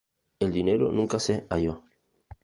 El dinero nunca se halló.